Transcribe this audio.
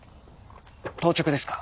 当直ですか？